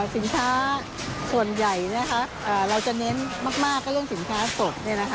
สินค้าส่วนใหญ่เราจะเน้นมากก็เรื่องสินค้าสด